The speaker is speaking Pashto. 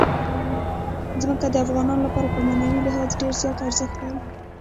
ځمکه د افغانانو لپاره په معنوي لحاظ ډېر زیات ارزښت لري.